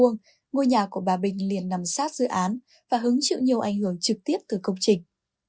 ngôi nhà của bà bình liền nằm sát dự án và hứng chịu nhiều ảnh hưởng trực tiếp từ công trình